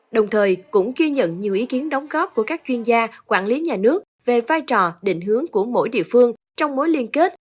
đồng thời cũng ghi nhận nhiều ý kiến đóng góp của các chuyên gia quản lý nhà nước về vai trò định hướng của mỗi địa phương trong mối liên kết